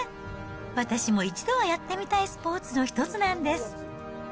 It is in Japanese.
私も一度はやってみたいスポーツの一つなんです。